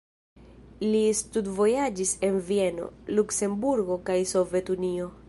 Li studvojaĝis en Vieno, Luksemburgo kaj Sovetunio.